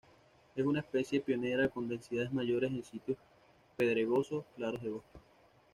Es una especie pionera con densidades mayores en sitios pedregosos, claros de bosque.